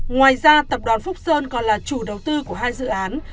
ngoài ra tập đoàn phúc sơn còn là chủ đầu tư của hai dự án